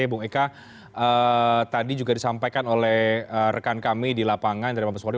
bung eka tadi juga disampaikan oleh rekan kami di lapangan dari mabes polri